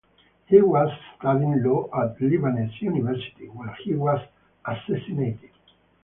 He was studying law at Lebanese University when he was assassinated.